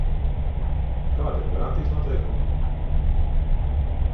Kādi ir garantijas noteikumi?